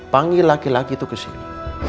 panggil laki laki itu kesini